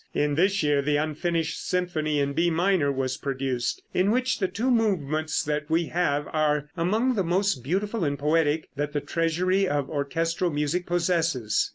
In this year the unfinished symphony in B minor was produced, in which the two movements that we have are among the most beautiful and poetic that the treasury of orchestral music possesses.